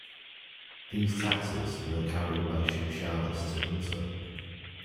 These taxes were carried by Shimshalis to Hunza.